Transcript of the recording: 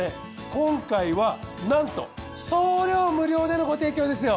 今回はなんと送料無料でのご提供ですよ。